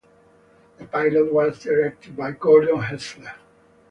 The pilot was directed by Gordon Hessler.